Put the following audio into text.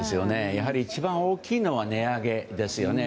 やはり一番大きいのは値上げですよね。